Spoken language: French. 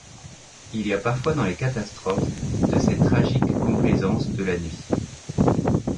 Il y a parfois dans les catastrophes de ces tragiques complaisances de la nuit.